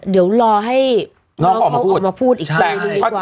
เดี๋ยวรอให้น้องเขาออกมาพูดอีกครั้งนึงดีกว่า